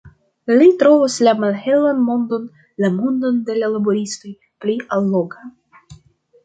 Li trovas la malhelan mondon, la mondon de la laboristoj, pli alloga.